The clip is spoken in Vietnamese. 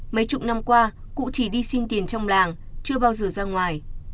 mấy chục năm qua cụ chỉ đi xin tiền trong làng chưa bao giờ ra ngoài